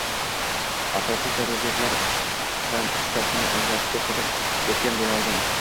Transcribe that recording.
asosiy «zaruriyat»lardan uchtasini ajratib ko‘rsatib o‘tgan bo‘lardim.